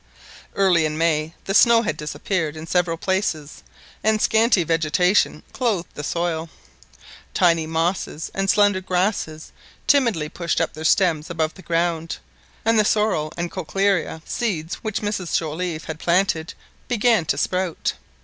Early in May the snow had disappeared in several places, and a scanty vegetation clothed the soil. Tiny mosses and slender grasses timidly pushed up their stems above the ground, and the sorrel and cochlearia seeds which Mrs Joliffe had planted began to sprout.